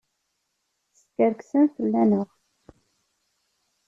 Teskerksem fell-aneɣ!